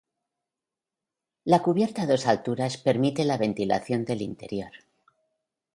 La cubierta a dos alturas permite la ventilación del interior.